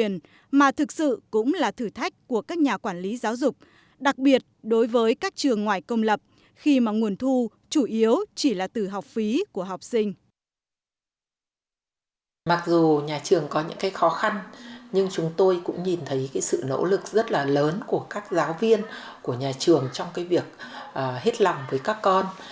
nhiều nhà trường có những khó khăn nhưng chúng tôi cũng nhìn thấy sự nỗ lực rất lớn của các giáo viên của nhà trường trong việc hết lòng với các con